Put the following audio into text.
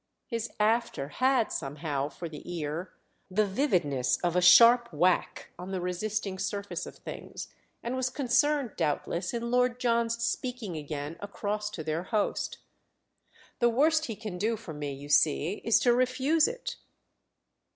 His "after" had somehow, for the ear, the vividness of a sharp whack on the resisting surface of things, and was concerned doubtless in Lord John's speaking again across to their host. "The worst he can do for me, you see, is to refuse it."